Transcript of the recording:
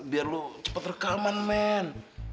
biar lo cepat rekaman men